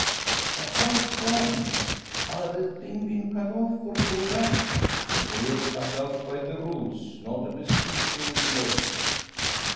"But how gone? Ha' the thing been cut off, or pulled up?" "Clear plucked out by the roots. Not a vestige o' it left!"